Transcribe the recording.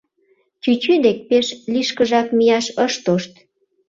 Чӱчӱ дек пеш лишкыжак мияш ышт тошт.